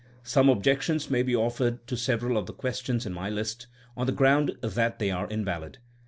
Some objections may be offered to several of the questions in my list, on the ground that they are invalid.